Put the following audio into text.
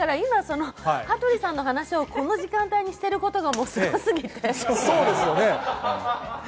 羽鳥さんの話をこの時間帯にしていることがすごすぎて。